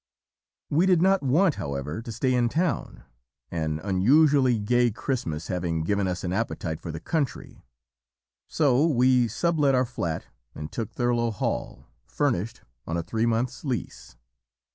"We did not want, however, to stay in town, an unusually gay Christmas having given us an appetite for the country; so we sub let our flat and took Thurlow Hall, furnished, on a three months' lease.